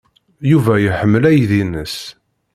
Yuba iḥemmel aydi-nnes.